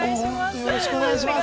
◆本当によろしくお願いします。